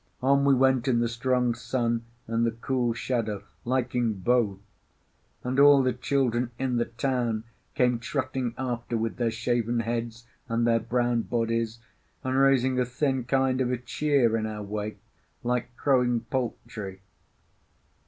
On we went, in the strong sun and the cool shadow, liking both; and all the children in the town came trotting after with their shaven heads and their brown bodies, and raising a thin kind of a cheer in our wake, like crowing poultry.